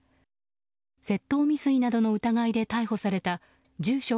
窃盗未遂などの疑いで逮捕された住所